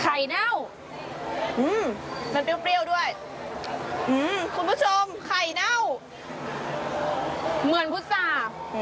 พอละมั้ยไข่เน่ามันเปรี้ยวด้วยคุณผู้ชมไข่เน่าเหมือนพุฟา